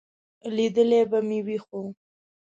لیدلی به مې وي، خو ...